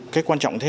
cái quan trọng thế